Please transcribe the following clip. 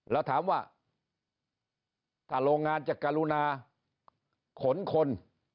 แล้วถามว่าถ้าโรงงานจะกรุณาขนคน